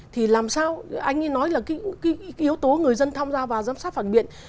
thì làm sao anh ấy nói là yếu tố người dân tham gia vào giám sát phản biện